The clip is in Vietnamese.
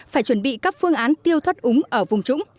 phải chuẩn bị các phương án tiêu thoát úng ở vùng trũng